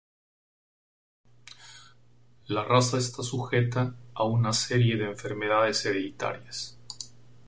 La raza está sujeta a una serie de enfermedades hereditarias.